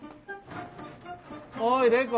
おい玲子。